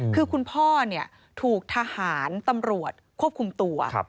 คือคุณพ่อถูกทหารตำรวจควบคุมตัว